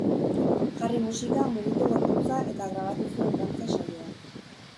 Jarri musika, mugitu gorputza eta grabatu zuen dantza saioa!